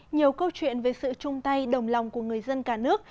nhiều câu chuyện về sự chung tay đồng lòng của người dân cả nước